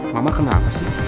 mama kenapa sih